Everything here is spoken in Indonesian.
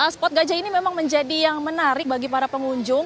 spot gajah ini memang menjadi yang menarik bagi para pengunjung